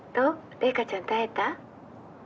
零花ちゃんと会えた？